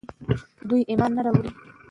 دوی ايمان نه راوړي